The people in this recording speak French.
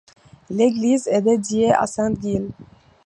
L'église est dédiée à saint Gilles.